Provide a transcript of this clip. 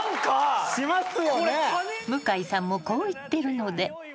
［向井さんもこう言ってるので］